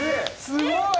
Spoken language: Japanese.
◆すごい！